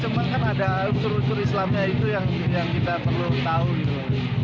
cuman kan ada struktur struktur islamnya itu yang kita perlu tahu gitu